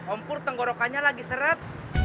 ompur tenggorokannya lagi seret